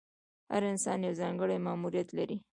هر انسان یو ځانګړی ماموریت لري.